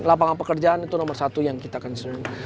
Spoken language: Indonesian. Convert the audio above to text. lapangan pekerjaan itu nomor satu yang kita concern